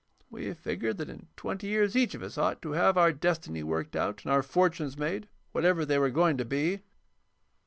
We figured that in twenty years each of us ought to have our destiny worked out and our fortunes made, whatever they were going to be."